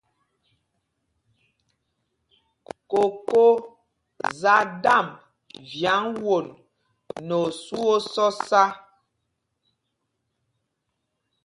Koko za damb vyaŋ won nɛ osu o sɔsa.